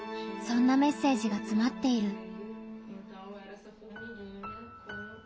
そんなメッセージがつまっている。